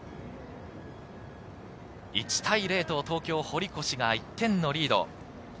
１対０と東京・堀越が１点のリード。